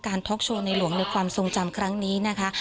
ท็อกโชว์ในหลวงในความทรงจำครั้งนี้นะคะ